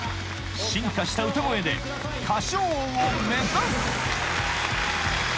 進化した歌声で歌唱王を目指す！